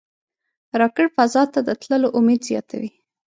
راکټ فضا ته د تللو امید زیاتوي